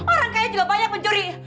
orang kayaknya juga banyak mencuri